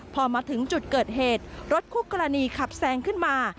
พอมาถึงจุดเกิดเหตุรถคู่กรณีขับแซงขึ้นมา